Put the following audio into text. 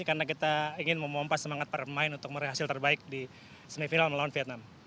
karena kita ingin memompas semangat para pemain untuk meraih hasil terbaik di semifinal melawan vietnam